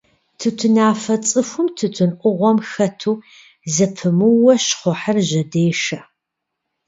Тутынафэ цӀыхум тутын Ӏугъуэм хэту зэпымыууэ щхъухьыр жьэдешэ.